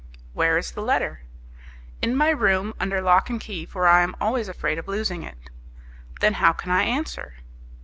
"Where is the letter?" "In my room under lock and key, for I am always afraid of losing it." "Then how can I answer?"